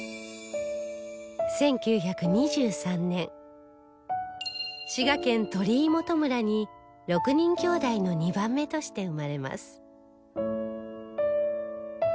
１９２３年滋賀県鳥居本村に６人きょうだいの２番目として生まれます